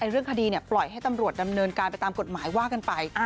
เรื่องคดีปล่อยให้ตำรวจดำเนินการไปตามกฎหมายว่ากันไป